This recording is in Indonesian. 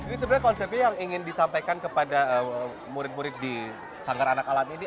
ini sebenarnya konsepnya yang ingin disampaikan kepada murid murid di sanggar anak alam ini